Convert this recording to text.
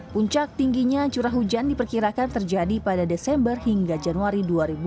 puncak tingginya curah hujan diperkirakan terjadi pada desember hingga januari dua ribu dua puluh